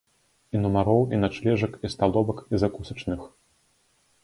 І нумароў, і начлежак, і сталовак, і закусачных!